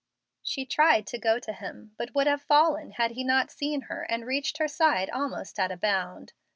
She tried to go to him, but would have fallen had he not seen her and reached her side almost at a bound.